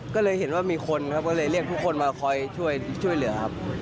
ก็เลยเห็นว่ามีคนครับก็เลยเรียกทุกคนมาคอยช่วยเหลือครับ